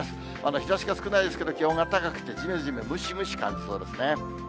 日ざしが少ないですけど、気温が高くて、じめじめ、ムシムシ感じそうですね。